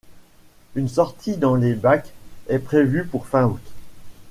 Une sortie dans les bacs est prévue pour fin août.